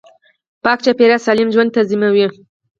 پاک چاپیریال سالم ژوند تضمینوي